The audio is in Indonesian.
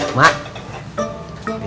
mau nambah lagi kang